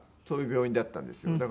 そういう病院だったんですよ。